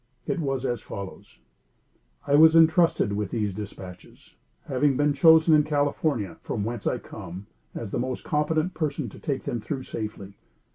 It was as follows: "I was intrusted with these dispatches, having been chosen in California, from whence I come, as the most competent person to take them through safely.